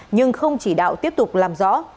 nhưng không chỉ đạo tiếp tục làm rõ